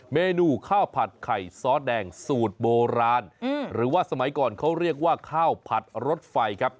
เมนูข้าวผัดไข่ซอสแดงสูตรโบราณหรือว่าสมัยก่อนเขาเรียกว่าข้าวผัดรถไฟครับ